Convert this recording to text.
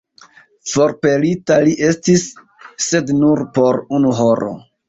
Forpelita li estis, sed nur por unu horo.